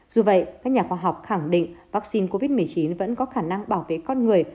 dù vậy các nhà khoa học khẳng định vaccine covid một mươi chín vẫn có khả năng bảo vệ con người